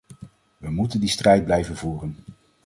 We moeten die strijd blijven voeren.